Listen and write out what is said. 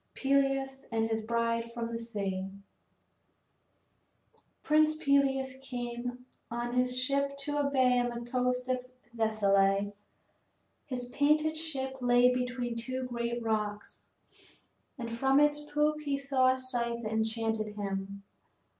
PELEUS AND HIS BRIDE FROM THE SEA I Prince Peleus came on his ship to a bay on the coast of Thessaly. His painted ship lay between two great rocks, and from its poop he saw a sight that enchanted him.